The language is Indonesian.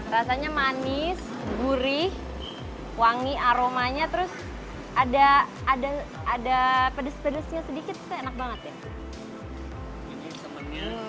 rasanya manis gurih wangi aromanya terus ada pedes pedesnya sedikit itu enak banget ya